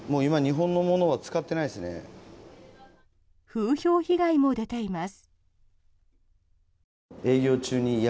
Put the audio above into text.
風評被害も出ています。